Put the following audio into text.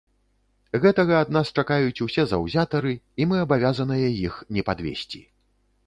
Гэтага ад нас чакаюць усе заўзятары, і мы абавязаныя іх не падвесці.